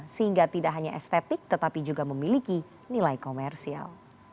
sehingga tidak hanya estetik tetapi juga memiliki nilai komersial